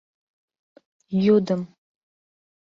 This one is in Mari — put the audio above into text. Йӱдым.